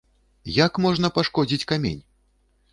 Як можна пашкодзіць камень?